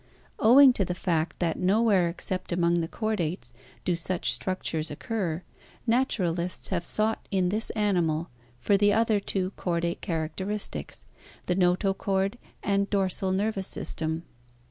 Owing to the fact that nowhere except among the chordates do such structures occur, naturalists have sought in this animal for the other two chordate characteristics, the notochord and dorsal nervous system.